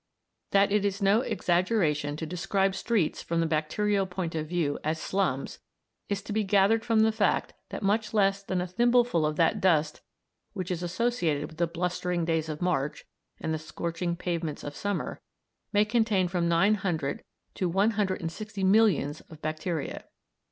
That it is no exaggeration to describe streets from the bacterial point of view as slums is to be gathered from the fact that much less than a thimbleful of that dust which is associated with the blustering days of March and the scorching pavements of summer may contain from nine hundred to one hundred and sixty millions of bacteria.